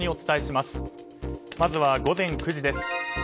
まずは午前９時です。